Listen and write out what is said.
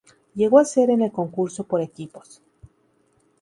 Llegó a ser en el concurso por equipos.